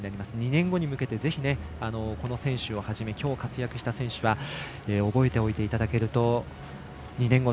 ２年後に向けてきょう活躍した選手は覚えておいていただけると２年後